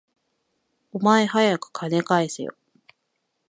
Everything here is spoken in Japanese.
お前、はやく金返せよ